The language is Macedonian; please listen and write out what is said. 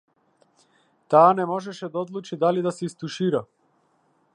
Таа не можеше да одлучи дали да се истушира.